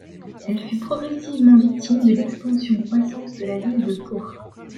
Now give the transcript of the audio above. Elle fut progressivement victime de l'expansion croissante de la ville de Pau.